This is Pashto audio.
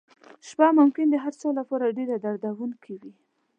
شپه ممکن د هغه چا لپاره ډېره دردونکې وي.